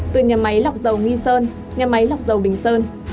từ nhà máy lọc dầu nghi sơn nhà máy lọc dầu bình sơn